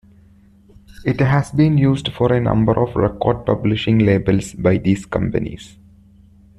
It has been used for a number of record publishing labels by these companies.